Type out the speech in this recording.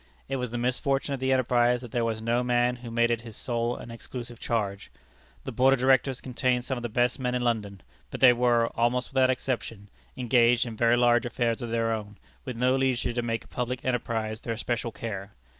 It was the misfortune of the enterprise that there was no one man who made it his sole and exclusive charge. The Board of Directors contained some of the best men in London. But they were, almost without exception, engaged in very large affairs of their own, with no leisure to make a public enterprise their special care.